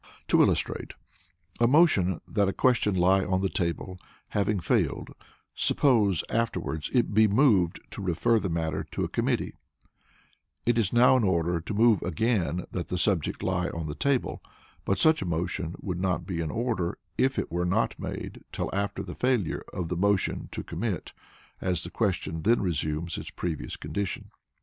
To illustrate: a motion that a question lie on the table having failed, suppose afterwards it be moved to refer the matter to a committee, it is now in order to move again that the subject lie on the table; but such a motion would not be in order, if it were not made till after the failure of the motion to commit, as the question then resumes its previous condition.